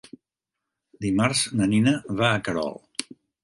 Dimarts na Nina va a Querol.